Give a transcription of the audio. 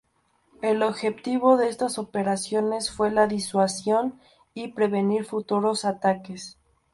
El objetivo de estas operaciones fue la disuasión y prevenir futuros ataques.